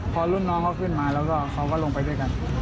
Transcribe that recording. พอรุ่นน้องเขาขึ้นมาแล้วก็เขาก็ลงไปด้วยกัน